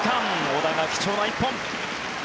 小田が貴重な１本。